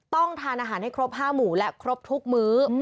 ต้องทานอาหารให้ครบ๕หมู่และครบทุกมื้อ